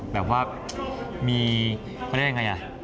แบบว่ามีอะไรอย่างไร